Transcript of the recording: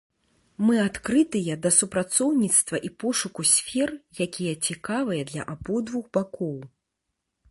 Мы адкрытыя да супрацоўніцтва і пошуку сфер, якія цікавыя для абодвух бакоў.